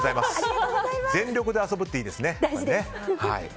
全力で遊ぶっていいですね。